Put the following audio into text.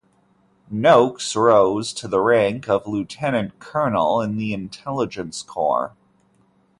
Noakes rose to the rank of Lieutenant Colonel in the Intelligence Corps.